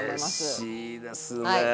うれしいですね。